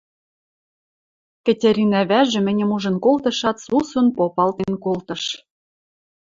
Кӹтьӹрин ӓвӓжӹ мӹньӹм ужын колтышат, сусун попалтен колтыш.